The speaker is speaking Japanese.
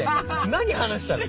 何話したの？